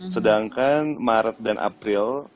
sedangkan maret dan april